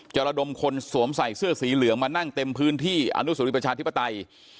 ระดมคนสวมใส่เสื้อสีเหลืองมานั่งเต็มพื้นที่อนุสรีประชาธิปไตย